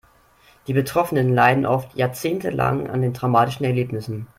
Die Betroffenen leiden oft jahrzehntelang an den traumatischen Erlebnissen.